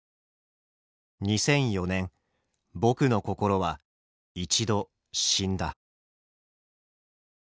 「２００４年僕の心は一度死んだ」。